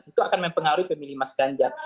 itu akan mempengaruhi pemilih mas ganjar